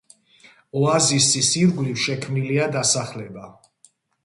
ოაზისის ირგვლივ შექმნილია დასახლება.